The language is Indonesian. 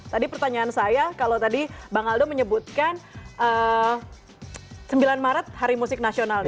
tadi pertanyaan saya kalau tadi bang aldo menyebutkan sembilan maret hari musik nasional